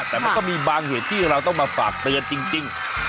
แต่มันก็มีบางเหตุที่เราต้องมาฝากเตือนจริง